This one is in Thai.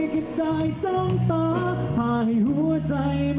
คนที่ฉันล่างเลิกคือเธอโดนใจ